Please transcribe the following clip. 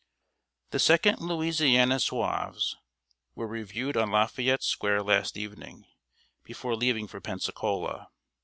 The Second Louisiana Zouaves were reviewed on Lafayette Square last evening, before leaving for Pensacola.